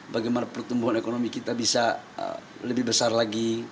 bagaimana pertumbuhan ekonomi kita bisa lebih besar lagi